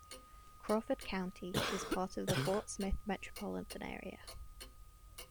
Crawford County is part of the Fort Smith metropolitan area.